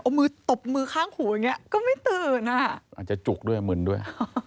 เอามือตบมือข้างหูอย่างเงี้ก็ไม่ตื่นอ่ะอาจจะจุกด้วยมึนด้วย